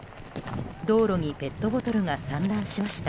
道路にペットボトルが散乱しました。